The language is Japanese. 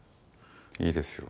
いいですよ。